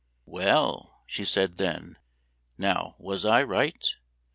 "Well," she said then, "now, was I right?